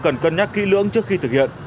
cần cân nhắc kỹ lưỡng trước khi thực hiện